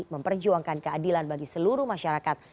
memperjuangkan keadilan bagi seluruh masyarakat